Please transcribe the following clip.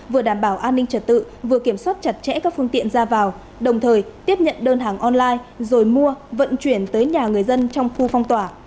vừa đảm bảo an ninh trật tự vừa kiểm soát chặt chẽ các phương tiện ra vào đồng thời tiếp nhận đơn hàng online rồi mua vận chuyển tới nhà người dân trong khu phong tỏa